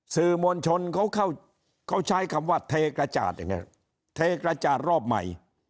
สื่อมวลชนเขาใช้คำว่าเทกระจาดอย่างนี้เทกระจาดรอบใหม่